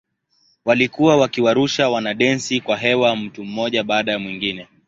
Walikuwa wakiwarusha wanadensi kwa hewa mtu mmoja baada ya mwingine.